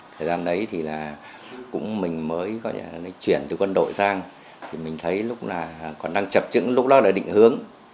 thời gian đấy mình mới chuyển từ quân đội sang mình thấy lúc là còn đang chập chững lúc đó là định hướng